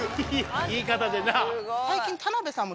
言い方でな。